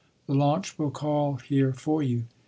The launch will call here for you....